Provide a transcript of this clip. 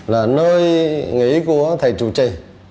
là nơi nghỉ của thầy chủ trì